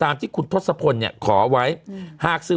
มันติดคุกออกไปออกมาได้สองเดือน